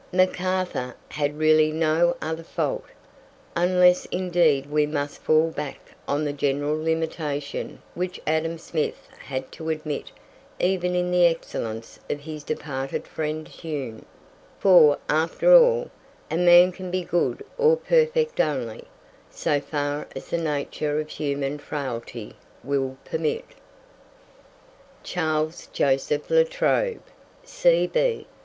McArthur had really no other fault, unless indeed we must fall back on the general limitation which Adam Smith had to admit even in the excellence of his departed friend Hume; for, after all, a man can be good or perfect only "so far as the nature of human frailty will permit." CHARLES JOSEPH LA TROBE, C.B.